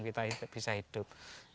kita bisa hidup